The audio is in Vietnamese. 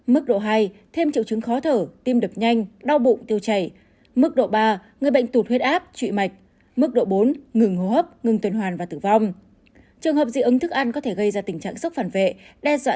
mức độ hai thêm triệu chứng khó thở tim đập nhanh đau bụng tiêu chảy